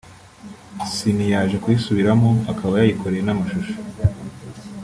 Ciney yaje kuyisubiramo akaba yayikoreye n’amashusho